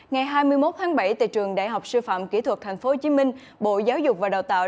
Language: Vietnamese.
ngày hai mươi một tháng bảy tại trường đại học sư phạm kỹ thuật tp hcm bộ giáo dục và đào tạo